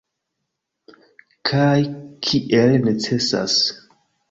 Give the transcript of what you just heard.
Kaj kiel necesas.